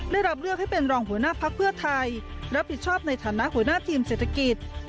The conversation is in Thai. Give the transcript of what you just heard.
ได้รับเลือกให้เป็นรองหัวหน้าพักเพื่อไทยรับผิดชอบในฐานะหัวหน้าทีมเศรษฐกิจ